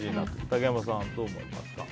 竹山さん、どう思いますか。